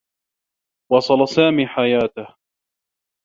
واصل سامي حياته.